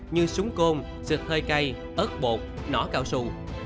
như súng côn xịt hơi cay ớt bột nỏ cao su